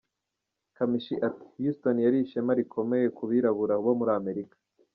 Kamichi ati: "Houston yari ishema rikomeye ku birabura bo muri Amerika.